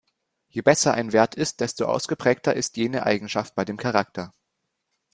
Je besser ein Wert ist, desto ausgeprägter ist jene Eigenschaft bei dem Charakter.